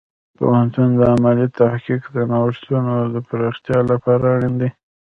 پوهنتون د علمي تحقیق د نوښتونو د پراختیا لپاره اړین دی.